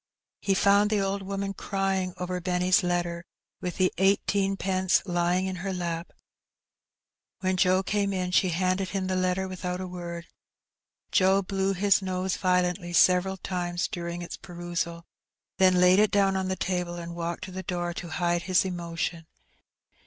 He found the old woman crying over Benny^s letter, with the eighteenpence lying in her lap. When Joe came in she handed him the letter without a word. Joe blew his nose violently several times during its perusal, then laid it down on the table, and walked to the door to hide his emotion.